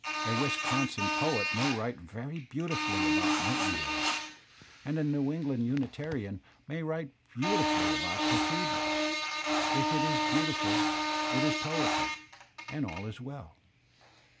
A Wisconsin poet may write very beautifully about nightin gales, and a New England Unitarian may write beautifully about cathedrals; if it is beautiful, it is poetry, and all is well.